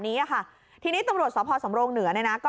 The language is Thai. ใช่ค่ะหนูก็แทงคอแพน